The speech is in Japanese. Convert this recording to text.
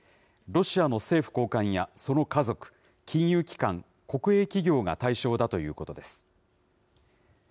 ロシアの政府高官やその家族、金融機関、国営企業が対象だということです。